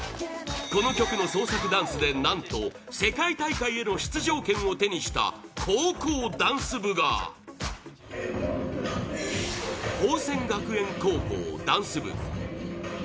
この曲の創作ダンスで何と、世界大会への出場権を手にした高校ダンス部が宝仙学園高校ダンス部